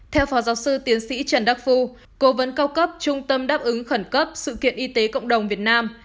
theo phó giáo sư tiến sĩ trần đắc phu cố vấn cao cấp trung tâm đáp ứng khẩn cấp sự kiện y tế cộng đồng việt nam